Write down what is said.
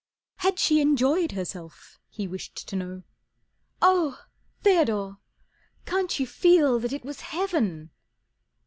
Had she enjoyed herself, he wished to know. "Oh! Theodore, can't you feel that it was Heaven!"